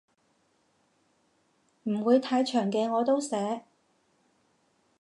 唔會太長嘅我都寫